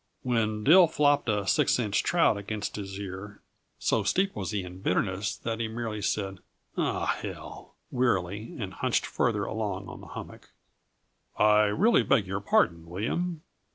When Dill flopped a six inch trout against his ear, so steeped was he in bitterness that he merely said, "Aw, hell!" wearily and hunched farther along on the hummock. "I really beg your pardon, William.